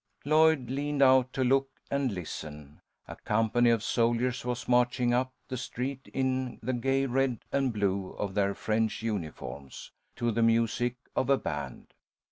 Lloyd leaned out to look and listen. A company of soldiers was marching up the street in the gay red and blue of their French uniforms, to the music of a band.